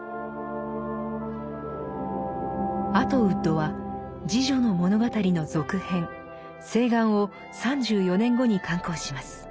アトウッドは「侍女の物語」の続編「誓願」を３４年後に刊行します。